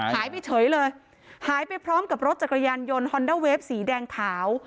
หายไปเฉยเลยหายไปพร้อมกับรถจักรยานยนต์ฮอนด้าเวฟสีแดงขาว